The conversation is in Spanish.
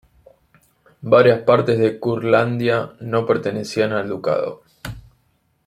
Varias partes de Curlandia no pertenecían al ducado.